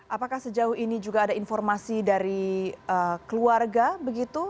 apakah sejauh ini juga ada informasi dari keluarga begitu